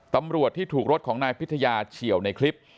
ตำรวจที่ถูกรถของนายพิทยาเฉียวในคลิป